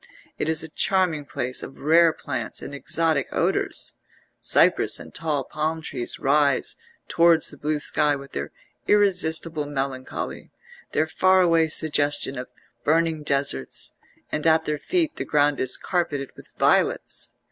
It is a charming place of rare plants and exotic odours; cypress and tall palm trees rise towards the blue sky with their irresistible melancholy, their far away suggestion of burning deserts; and at their feet the ground is carpeted with violets.